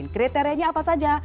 kriterianya apa saja